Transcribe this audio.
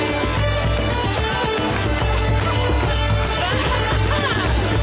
ハハハハ！